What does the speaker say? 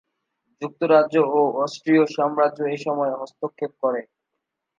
যুক্তরাজ্য ও অস্ট্রীয় সাম্রাজ্য এসময় হস্তক্ষেপ করে।